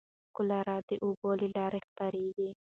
کولرا د اوبو له لارې خپرېږي.